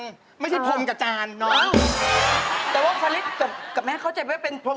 แค่ผมรอหลุนลิฟซิงได้ไหม